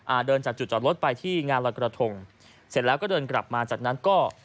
เดินจากจุดจอดรถไปที่งานลอยกระทงเสร็จแล้วก็เดินกลับมาจากนั้นก็